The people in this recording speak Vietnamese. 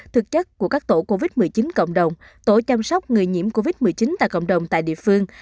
thực chất của các tổ covid một mươi chín cộng đồng tổ chăm sóc người nhiễm covid một mươi chín tại cộng đồng tại địa phương